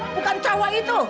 bukan cowok itu